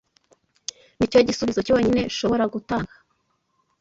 Nicyo gisubizo cyonyine nshobora gutanga.